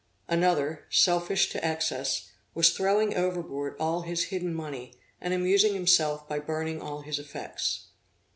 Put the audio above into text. Another, selfish to excess, was throwing overboard all his hidden money, and amusing himself by burning all his effects.